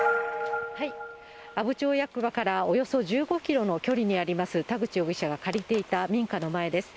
阿武町役場から、およそ１５キロの距離にあります、田口容疑者が借りていた民家の前です。